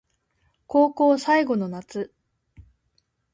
高校最後の夏